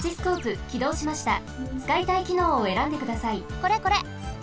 これこれ！